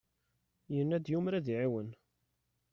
Yenna-d yumer ad iɛiwen.